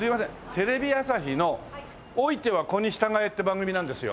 テレビ朝日の「老いては子に従え」って番組なんですよ。